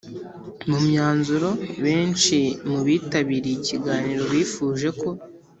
mu myanzuro, benshi mu bitabiriye ikiganiro bifuje ko